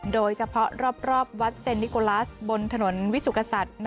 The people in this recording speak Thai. โดยเฉพาะรอบวัดเซนนิโกลัสบนถนนวิสุกษัตริย์